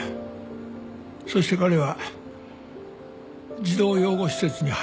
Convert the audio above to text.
そして彼は児童養護施設に入ることになった。